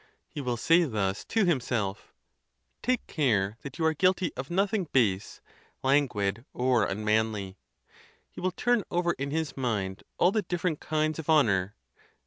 He will say thus to himself: Take care that you are guilty of nothing base, languid, or unmanly. He will turn over in his mind all the different kinds of honor.